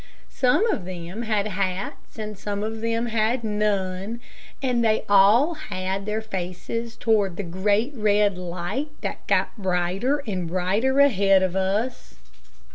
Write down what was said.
Some of them had hats and some of them had none, and they all had their faces toward the great red light that got brighter and brighter ahead of us.